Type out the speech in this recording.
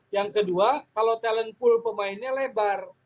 yang kedua kalau talent talentnya sudah memetakkan persoalan ini kan bisa dicari solusinya